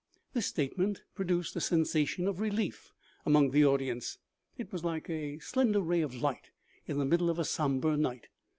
This statement produced a sensation of relief among the audience ; it was like a slender ray of light in the middle of a somber night.